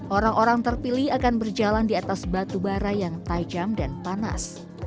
orang orang terpilih akan berjalan di atas batu bara yang tajam dan panas